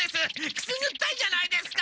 くすぐったいじゃないですか！